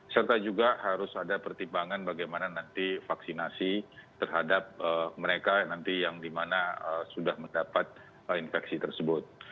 serta juga harus ada pertimbangan bagaimana nanti vaksinasi terhadap mereka nanti yang dimana sudah mendapat infeksi tersebut